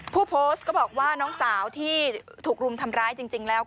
ผู้โพสต์ก็บอกว่าน้องสาวที่ถูกรุมทำร้ายจริงแล้ว